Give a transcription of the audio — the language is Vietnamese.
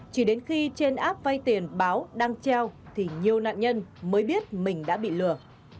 chỉ đến khi trên app vay tiền báo đang treo thì nhiều nạn nhân mới biết mình đã bị lừa